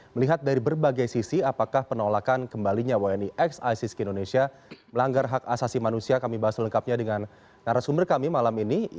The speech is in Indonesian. melihat dari berbagai sisi apakah penolakan kembalinya wni x isis ke indonesia melanggar hak asasi manusia kami bahas lengkapnya dengan narasumber kami malam ini